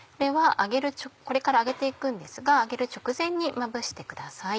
これから揚げて行くんですが揚げる直前にまぶしてください。